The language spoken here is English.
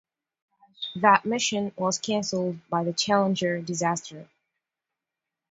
That mission was canceled by the "Challenger" disaster.